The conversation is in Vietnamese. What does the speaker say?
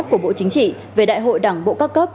của bộ chính trị về đại hội đảng bộ các cấp